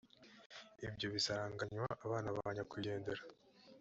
ibyo bisaranganywa abana ba nyakwigendera